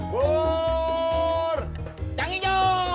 pur canggih jo